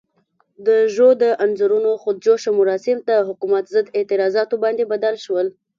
د ژو د انځورونو خود جوشه مراسم د حکومت ضد اعتراضاتو باندې بدل شول.